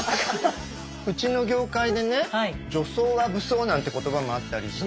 うちの業界でねなんて言葉もあったりして。